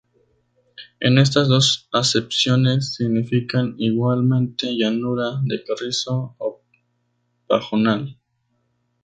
En estas dos acepciones significan igualmente llanura de carrizo o pajonal.